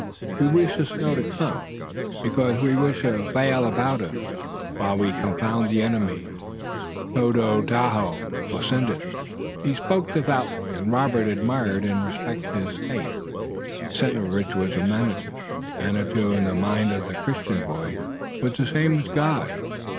We wish the snow to come, because we wish a veil about us, while we confound our enemies, and Tododaho will send it." He spoke devoutly and Robert admired and respected his faith, the center of which was Manitou, and Manitou in the mind of the Christian boy was the same as God.